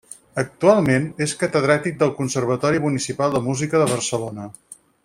Actualment, és catedràtic del Conservatori Municipal de Música de Barcelona.